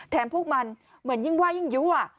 พวกมันเหมือนยิ่งว่ายิ่งยั่ว